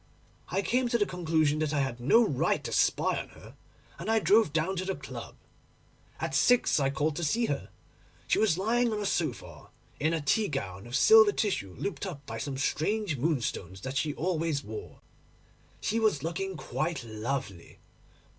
I came to the conclusion that I had no right to spy on her, and I drove down to the club. At six I called to see her. She was lying on a sofa, in a tea gown of silver tissue looped up by some strange moonstones that she always wore. She was looking quite lovely.